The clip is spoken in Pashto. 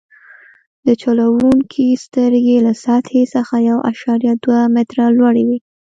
د چلوونکي سترګې له سطحې څخه یو اعشاریه دوه متره لوړې وي